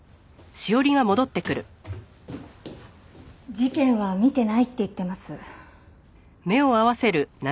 事件は見てないって言ってます。